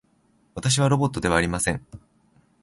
私はロボットではありません